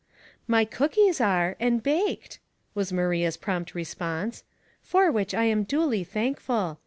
" My cookies are — and baked," was Maria's prompt response ;" for which I am duly thank ful.